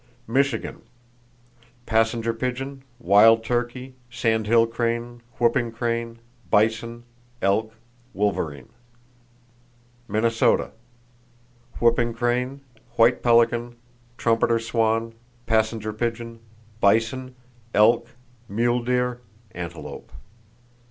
Michigan: Passenger pigeon, wild turkey, sandhill crane, whooping crane, bison, elk, wolverine. Minnesota: Whooping crane, white pelican, trumpeter swan, passenger pigeon, bison, elk, mule deer, antelope.